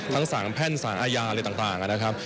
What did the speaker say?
ทั้งสารแพ่งสารอาญาอะไรต่างนะครับ